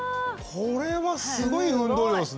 これはすごい運動量ですね。